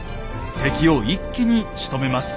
敵を一気にしとめます。